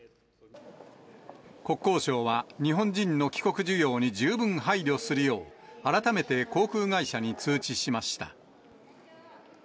国交省は、日本人の帰国需要に十分配慮するよう、改めて航空会社に通知しました。